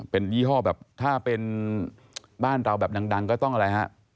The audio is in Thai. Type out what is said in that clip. เป็นยี่ห้อแบบถ้าเป็นบ้านเราแบบดังก็ต้องอะไรฮะ